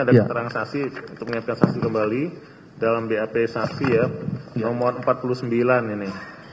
ada keterangan saksi untuk menyiapkan saksi kembali dalam bap saksi ya nomor empat puluh sembilan ini